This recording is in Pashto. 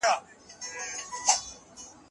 جهاد یوازې د وسلې نوم نه دی.